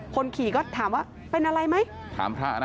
คนขี่ก็ถามว่าเป็นอะไรไหม